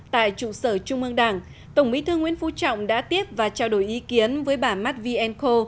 tại trụ sở trung mương đảng tổng bí thư nguyễn phú trọng đã tiếp và trao đổi ý kiến với bà mát viên khô